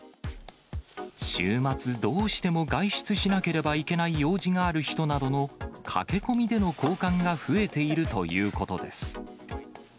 週末、どうしても外出しなければいけない用事がある人などの駆け込みでの交換が増えているということです。